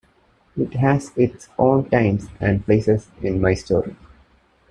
It has its own times and places in my story.